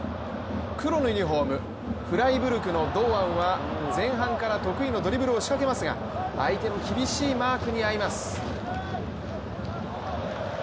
黒のユニフォームフライブルクの堂安は前半から得意のドリブルを仕掛けますが相手の厳しいマークにあいます。